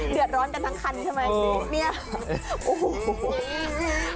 เดือดร้อนกันทั้งคันใช่ไหม